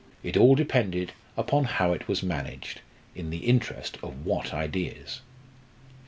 It all depended upon how it was managed in the interest of what ideas.